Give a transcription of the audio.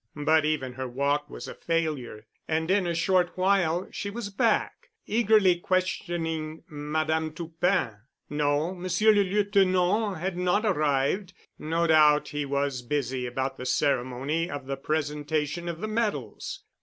But even her walk was a failure, and in a short while she was back, eagerly questioning Madame Toupin. No, Monsieur le Lieutenant had not arrived. No doubt he was busy about the ceremony of the presentation of the medals.